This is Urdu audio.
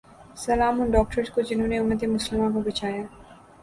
سلام ان ڈاکٹرز کو جہنوں نے امت مسلماں کو بچایا